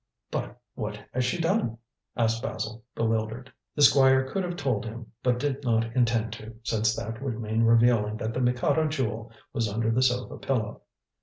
"But what has she done?" asked Basil, bewildered. The Squire could have told him, but did not intend to, since that would mean revealing that the Mikado Jewel was under the sofa pillow.